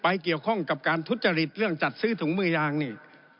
เกี่ยวข้องกับการทุจริตเรื่องจัดซื้อถุงมือยางนี่